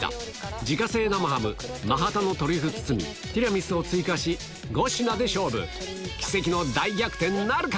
自家製生ハム、マハタのトリュフ包み、ティラミスを追加し、５品で勝負、奇跡の大逆転なるか。